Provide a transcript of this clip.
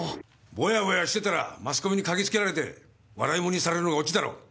ボヤボヤしてたらマスコミに嗅ぎつけられて笑い物にされるのがオチだろう。